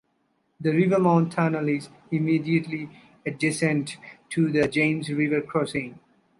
The Rivermont Tunnel is immediately adjacent to the James River crossing.